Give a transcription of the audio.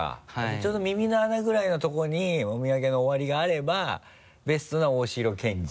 ちょうど耳の穴ぐらいのとこにもみあげの終わりがあればベストな大城健治。